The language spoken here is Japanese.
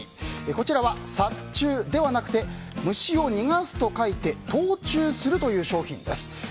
こちらは殺虫ではなくて虫を逃がすと書いて逃虫するという商品です。